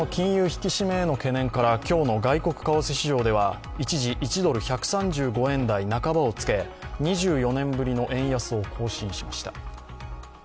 引き締めへの懸念から今日の外国為替市場では一時、１ドル＝１３５円台半ばをつけ２４年ぶりの円安を更新しました。